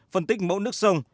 phân tích mẫu nước sông